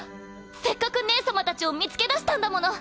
せっかく姉様たちを見つけ出したんだもの。